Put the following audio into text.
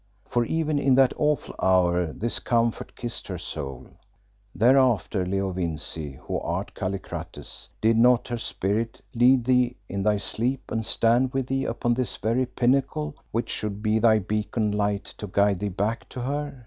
for even in that awful hour this comfort kissed her soul. Thereafter, Leo Vincey, who art Killikrates, did not her spirit lead thee in thy sleep and stand with thee upon this very pinnacle which should be thy beacon light to guide thee back to her?